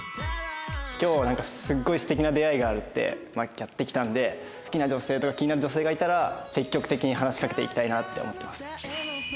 今日はなんかすごい素敵な出会いがあるってやって来たんで好きな女性とか気になる女性がいたら積極的に話しかけていきたいなって思ってます。